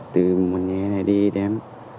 từ mùa nhé này đi đến